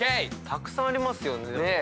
たくさんありますよね。